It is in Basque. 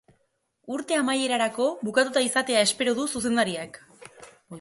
Urte amaierarako bukatuta izatea espero du zuzendariak.